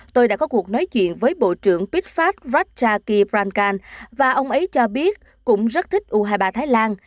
tôi đã có cuộc nói chuyện với bộ trưởng pitfat ratchakit prakal và ông ấy cho biết cũng rất thích u hai mươi ba thái lan